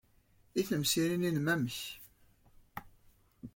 I temsirin-nnem, amek?